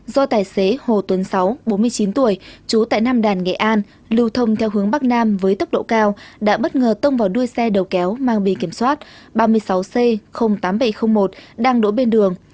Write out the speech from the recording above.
do tài xế hồ tuấn sáu bốn mươi chín tuổi trú tại nam đàn nghệ an lưu thông theo hướng bắc nam với tốc độ cao đã bất ngờ tông vào đuôi xe đầu kéo mang bì kiểm soát ba mươi sáu c tám nghìn bảy trăm linh một đang đỗ bên đường